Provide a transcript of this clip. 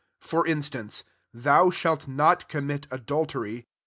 9 For instance, «( Thou shah not commit adul tery.